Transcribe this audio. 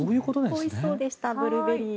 おいしそうでしたブルーベリー。